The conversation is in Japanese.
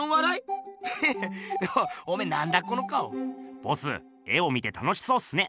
ボス絵を見て楽しそうっすね。